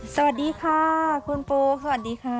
สวัสดีค่ะคุณปูสวัสดีค่ะ